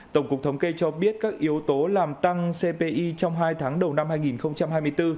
tổng cục thống kê cho biết các yếu tố làm tăng cpi trong hai tháng đầu năm hai nghìn hai mươi bốn